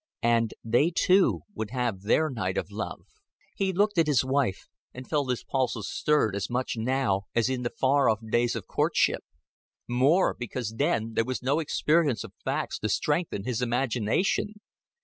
And they too would have their night of love. He looked at his wife, and felt his pulses stirred as much now as in the far off days of courtship more, because then there was no experience of facts to strengthen his imagination.